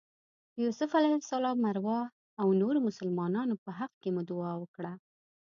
د یوسف علیه السلام ارواح او نورو مسلمانانو په حق کې مو دعا وکړه.